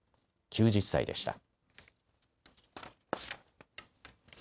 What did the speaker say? ９０歳でした。